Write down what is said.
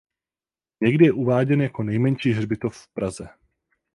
Někdy je uváděn jako nejmenší hřbitov v Praze.